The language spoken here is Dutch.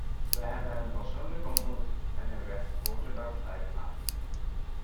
We hebben hem persoonlijk ontmoet en hij werd de volgende dag vrijgelaten.